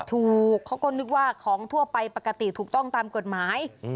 ถูกเขาก็นึกว่าของทั่วไปปกติถูกต้องตามกฎหมาย